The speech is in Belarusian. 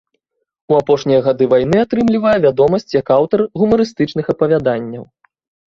У апошнія гады вайны атрымлівае вядомасць як аўтар гумарыстычных апавяданняў.